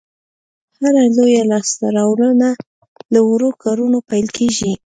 هره لویه لاسته راوړنه له وړو کارونو پیل کېږي.